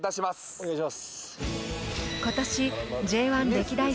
お願いします。